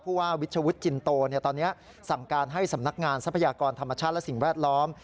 ว่าวิชวุฒิจินโตตอนนี้สั่งการให้สำนักงานทรัพยากรธรรมชาติและสิ่งแวดล้อม